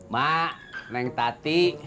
mak neng tati